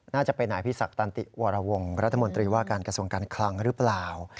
น่าจะเป็นนายพิศักดันติวรวงรัฐมนตรีว่าการกระทรวงการคลังหรือเปล่า